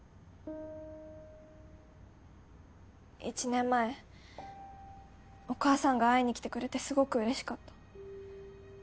１年前お母さんが会いに来てくれてすごく嬉しかった。